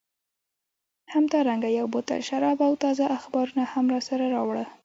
همدارنګه یو بوتل شراب او تازه اخبارونه هم راسره راوړه.